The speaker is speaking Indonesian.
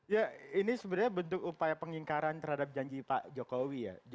ya ini sebenarnya bentuk upaya pengingkaran terhadap janji pak jokowi ya